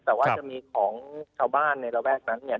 แต่ว่าจะมีของชาวบ้านในระแวกนั้นเนี่ย